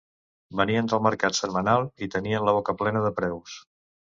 Venien del mercat setmanal i tenien la boca plena de preus.